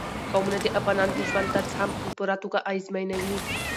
قومونه د افغانانو د ژوند طرز هم په پوره توګه اغېزمنوي.